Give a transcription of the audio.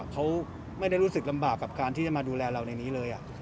เขาไม่ได้รู้สึกลำบากกับการที่จะมาดูแลเราในนี้เลย